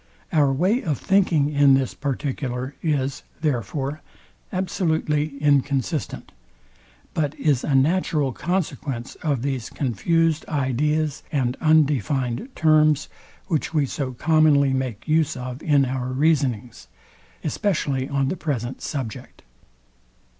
Our way of thinking in this particular is, therefore, absolutely inconsistent; but is a natural consequence of these confused ideas and undefined terms, which we so commonly make use of in our reasonings, especially on the present subject.